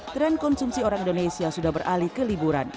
tren konsumsi orang indonesia sudah beralih ke liburan